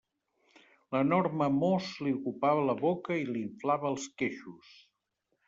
L'enorme mos li ocupava la boca i li inflava els queixos.